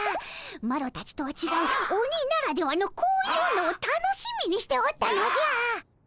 マロたちとはちがう鬼ならではのこういうのを楽しみにしておったのじゃ。